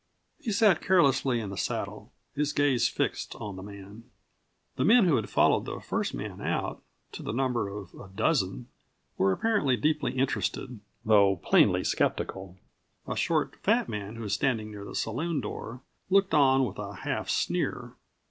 He sat carelessly in the saddle, his gaze fixed on the man. The men who had followed the first man out, to the number of a dozen, were apparently deeply interested, though plainly skeptical. A short, fat man, who was standing near the saloon door, looked on with a half sneer.